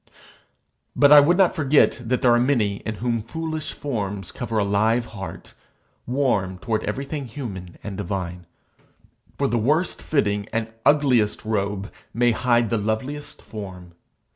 But I would not forget that there are many in whom foolish forms cover a live heart, warm toward everything human and divine; for the worst fitting and ugliest robe may hide the loveliest form.